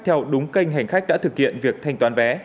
theo đúng kênh hành khách đã thực hiện việc thanh toán vé